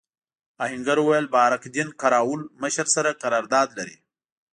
آهنګر وویل بارک دین قراوول مشر سره قرارداد لري.